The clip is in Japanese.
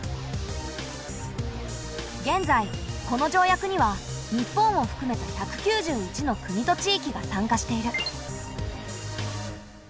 現在この条約には日本をふくめた１９１の国と地域が参加している。